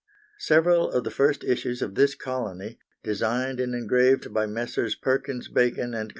Several of the first issues of this colony, designed and engraved by Messrs. Perkins Bacon and Co.